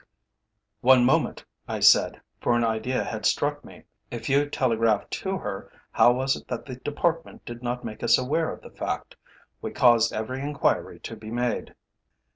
"One moment," I said, for an idea had struck me. "If you telegraphed to her, how was it that the Department did not make us aware of the fact? We caused every enquiry to be made."